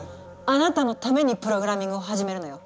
あなたのためにプログラミングを始めるのよ。